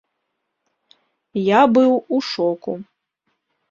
Я быў у шоку.